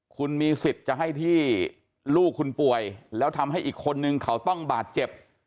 คุณมีสิทธิ์จะให้ที่ลูกคุณป่วยแล้วทำให้อีกคนนึงเขาต้องบาดเจ็บ